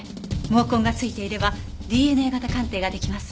毛根が付いていればＤＮＡ型鑑定が出来ます。